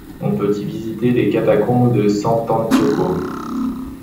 On peut y visiter les catacombes de Sant'Antioco.